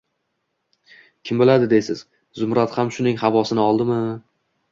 Kim biladi deysiz, Zumrad ham shuning havosini oldimi?